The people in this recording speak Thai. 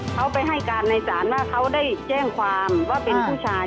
เขาไปให้การในศาลว่าเขาได้แจ้งความว่าเป็นผู้ชาย